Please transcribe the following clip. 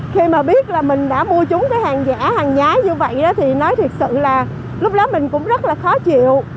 khi mà biết là mình đã mua chúng cái hàng giả hàng nhá như vậy thì nói thật sự là lúc đó mình cũng rất là khó chịu